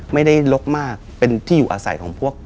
ไม่ได้ลกมากเป็นที่อยู่อาศัยของพวก